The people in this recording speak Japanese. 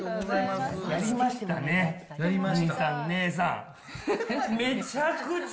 やりましたね！